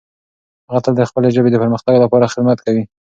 هغه تل د خپلې ژبې د پرمختګ لپاره خدمت کوي.